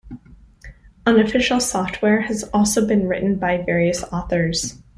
Unofficial software has also been written by various authors.